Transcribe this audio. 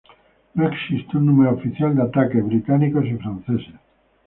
No existe un número oficial de ataques británicos y franceses.